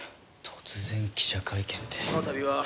突然記者会見って。